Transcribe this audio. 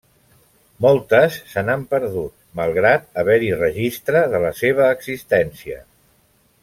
Moltes se n'han perdut, malgrat haver-hi registre de la seva existència.